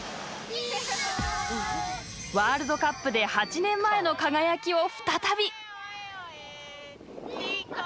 ワールドカップで８年前の輝きを再び！